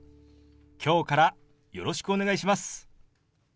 今日からよろしくお願いします。